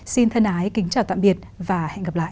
xin thân ái kính chào tạm biệt và hẹn gặp lại